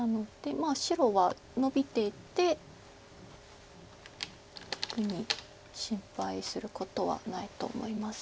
まあ白はノビていって特に心配することはないと思います。